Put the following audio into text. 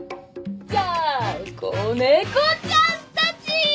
じゃあ子猫ちゃんたち！